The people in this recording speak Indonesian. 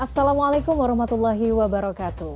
assalamualaikum warahmatullahi wabarakatuh